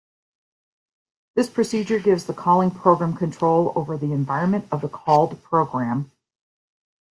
This procedure gives the calling program control over the environment of the called program.